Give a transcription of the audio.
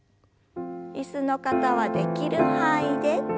椅子の方はできる範囲で。